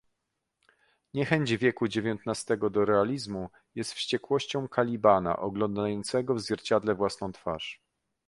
Niechęć wieku dziewiętnastego do Realizmu jest wściekłością Kalibana oglądającego w zwierciadle własną twarz.